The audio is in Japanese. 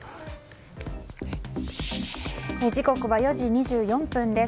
時刻は４時２４分です。